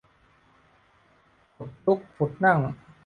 ผุดลุกผุดนั่ง